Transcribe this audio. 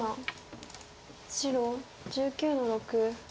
白１９の六。